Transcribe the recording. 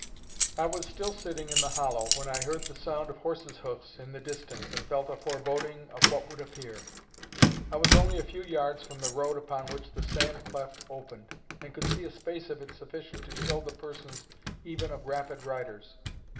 I was still sitting in the hollow, when I heard the sound of horses' hoofs in the distance, and felt a foreboding of what would appear. I was only a few yards from the road upon which the sand cleft opened, and could see a space of it sufficient to show the persons even of rapid riders.